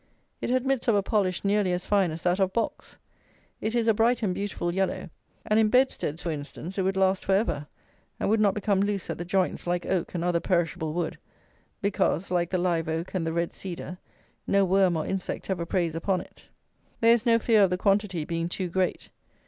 It admits of a polish nearly as fine as that of box. It is a bright and beautiful yellow. And in bedsteads, for instance, it would last for ever, and would not become loose at the joints, like oak and other perishable wood; because, like the live oak and the red cedar, no worm or insect ever preys upon it. There is no fear of the quantity being too great.